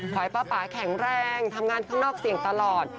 ป๊าแข็งแรงทำงานข้างนอกเสี่ยงตลอด